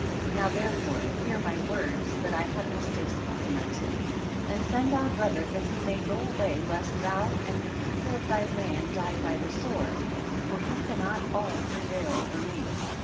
8. Now therefore hear my words that I have this day spoken unto thee, and send our brother that he may go away lest thou and the people of thy land die by the sword, for you can not all prevail over me.